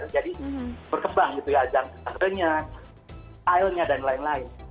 jadi berkembang gitu ya genre nya stylenya dan lain lain